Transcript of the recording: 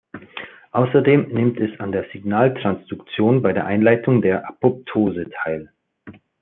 Außerdem nimmt es an der Signaltransduktion bei der Einleitung der Apoptose teil.